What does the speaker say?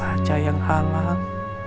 apa saja yang halang